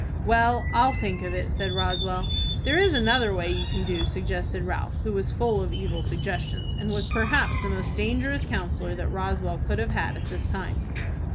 "Well, I'll think of it," said Roswell. "There is another way you can do," suggested Ralph, who was full of evil suggestions, and was perhaps the most dangerous counsellor that Roswell could have had at this time.